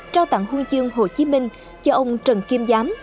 trao tặng huân chương hồ chí minh cho ông trần kim giám